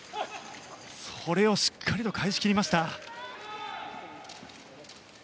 それをしっかりと返し切りました。